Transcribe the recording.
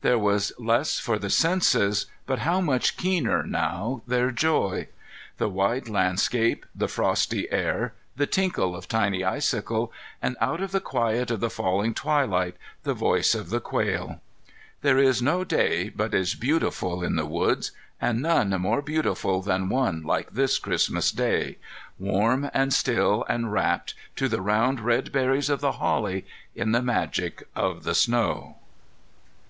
There was less for the senses, but how much keener now their joy! The wide landscape, the frosty air, the tinkle of tiny icicles, and, out of the quiet of the falling twilight, the voice of the quail! There is no day but is beautiful in the woods; and none more beautiful than one like this Christmas Day,—warm and still and wrapped, to the round red berries of the holly, in the magic of the snow.